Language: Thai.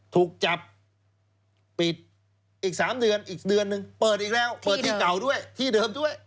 ถูกจับปิดอีก๓เดือนอีกเดือนหนึ่งเปิดอีกแล้วเปิดที่เก่าด้วยที่เดิมด้วย